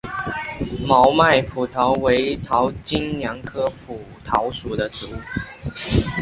毛脉蒲桃为桃金娘科蒲桃属的植物。